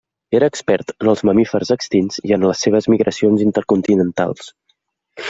Era expert en els mamífers extints i en les seves migracions intercontinentals.